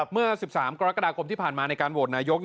เมื่อ๑๓กรกฎาคมที่ผ่านมาในการโหวตนายก